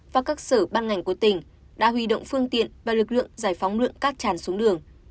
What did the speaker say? và các sở ban ngành của tỉnh đã huy động phương tiện và lực lượng giải phóng lượng cát tràn xuống đường